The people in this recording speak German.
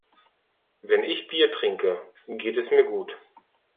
Wenn ich Bier trinke geht es mir gut